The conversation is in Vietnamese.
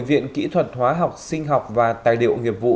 viện kỹ thuật hóa học sinh học và tài liệu nghiệp vụ